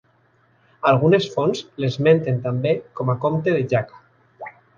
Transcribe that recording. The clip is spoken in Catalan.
Algunes fonts l'esmenten també com a comte de Jaca.